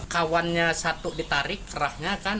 kawannya satu ditarik kerahnya kan